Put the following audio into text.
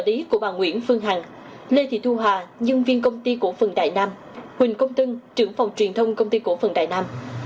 đại nam và bốn đồng phạm